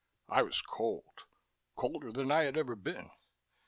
I was cold colder than I had ever been.